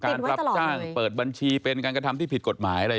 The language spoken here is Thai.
รับจ้างเปิดบัญชีเป็นการกระทำที่ผิดกฎหมายอะไร